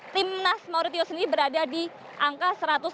timnas mauritius ini berada di angka satu ratus lima puluh lima